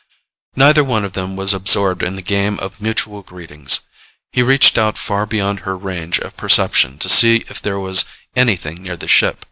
Neither one of them was absorbed in the game of mutual greetings. He reached out far beyond her range of perception to see if there was anything near the ship.